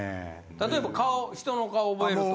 例えば顔人の顔覚えるとか？